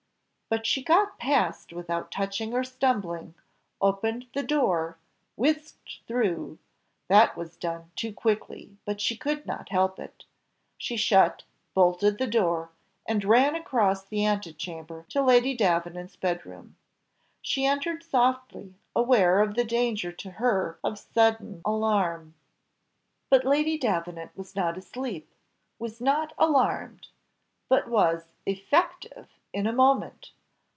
But she got past without touching or stumbling, opened the door, whisked through that was done too quickly, but she could not help it, she shut, bolted the door, and ran across the ante chamber to Lady Davenant's bed room. She entered softly, aware of the danger to her of sudden alarm. But Lady Davenant was not asleep, was not alarmed, but was effective in a moment.